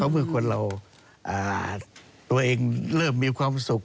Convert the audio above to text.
เพราะว่าตัวเองเริ่มมีความสุข